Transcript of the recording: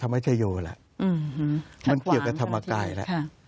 ธรรมชโยแล้วอืมมันเกี่ยวกับธรรมกายแล้วค่ะ